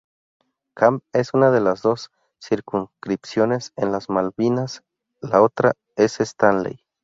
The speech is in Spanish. Camp es una de las dos circunscripciones en las Malvinas, la otra es Stanley.